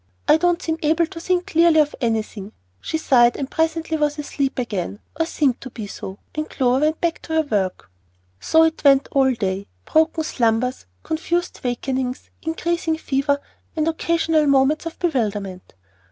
I don't seem able to think clearly of anything." She sighed, and presently was asleep again, or seemed to be so, and Clover went back to her work. So it went all day, broken slumbers, confused wakings, increasing fever, and occasional moments of bewilderment.